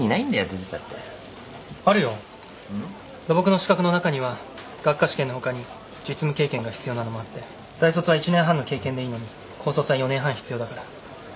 土木の資格の中には学科試験のほかに実務経験が必要なのもあって大卒は１年半の経験でいいのに高卒は４年半必要だから。